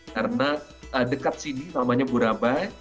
karena dekat sini namanya burabai